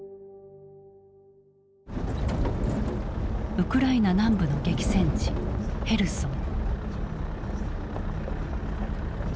ウクライナ南部の激戦地ヘルソン。